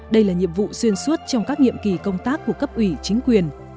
đây là nhiệm vụ xuyên suốt trong các nhiệm kỳ công tác của cấp ủy chính quyền